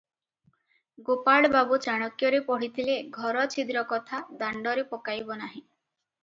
ଗୋପାଳବାବୁ ଚାଣକ୍ୟରେ ପଢ଼ିଥିଲେ, ଘର ଛିଦ୍ର କଥା ଦାଣ୍ଡରେ ପକାଇବ ନାହିଁ ।